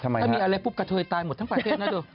ถ้ามีอะไรปุ๊บกระเทยตายหมดทั้งประเทศนะดู